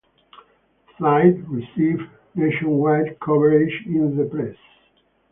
The flight received nationwide coverage in the press.